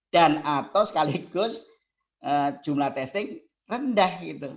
dan atau sekaligus jumlah testing rendah